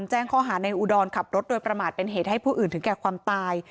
แจ้งข้อหาในอุดรขับรถโดยประมาทเป็นเหตุให้ผู้อื่นถึงแก่ความตาย